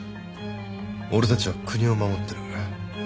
俺たちは国を守ってる。